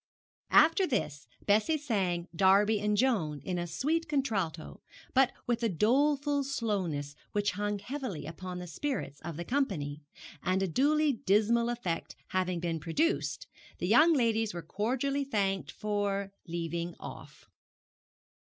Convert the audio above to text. After this Bessie sang 'Darby and Joan,' in a sweet contralto, but with a doleful slowness which hung heavily upon the spirits of the company, and a duly dismal effect having been produced, the young ladies were cordially thanked for leaving off.